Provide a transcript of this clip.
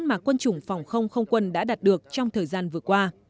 mà quân chủng phòng không không quân đã đạt được trong thời gian vừa qua